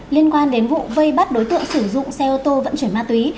liên quan đến vụ vây bắt đối tượng sử dụng xe ô tô vận chuyển ma túy